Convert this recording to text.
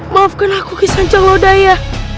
maafkan aku kis sancang lodaya